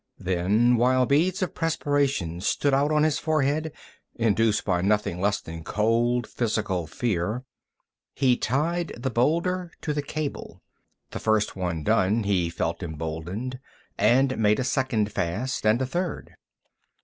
Then, while beads of perspiration stood out on his forehead induced by nothing less than cold, physical fear he tied the boulder to the cable. The first one done, he felt emboldened, and made a second fast, and a third.